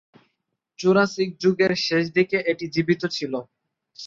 Jurassic যুগের শেষ দিকে এটি জীবিত ছিল।